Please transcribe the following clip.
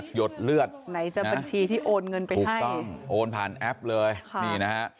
พูดถามโอนผ่านแอปเลยนี่นะฮะ